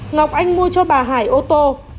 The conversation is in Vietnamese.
ngọc anh mua cho bà hải ô tô